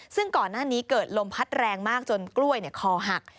ซึ่งก่อนหน้านี้เกิดลมพัดแรงมากจนกล้วยคอหัก